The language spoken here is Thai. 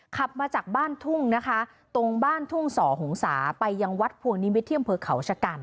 ขับมาจากบ้านทุ่งนะคะตรงบ้านทุ่งส่อหงษาไปยังวัดพวงนิมิตที่อำเภอเขาชะกัน